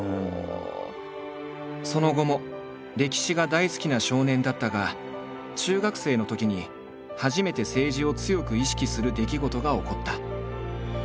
その後も歴史が大好きな少年だったが中学生のときに初めて政治を強く意識する出来事が起こった。